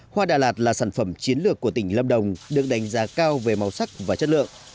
hoa đà lạt là sản phẩm chiến lược của tỉnh lâm đồng được đánh giá cao về màu sắc và chất lượng